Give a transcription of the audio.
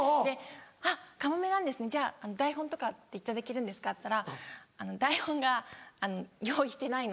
「あっカモメなんですねじゃあ台本とかって頂けるんですか？」って言ったら台本が用意してないので。